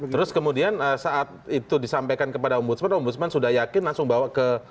terus kemudian saat itu disampaikan kepada ombudsman ombudsman sudah yakin langsung bawa ke